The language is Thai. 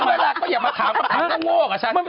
เวลาก็อย่ามาถามถามก็ง่วงอ่ะฉัน